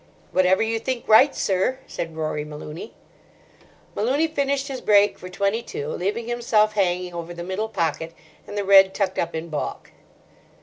"Whatever you think right, sir," said Rory Malooney. Malooney finished his break for twenty two, leaving himself hanging over the middle pocket and the red tucked up in baulk.